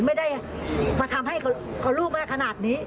ไม่ได้มาทำให้ลูกแม่ขนาดนี้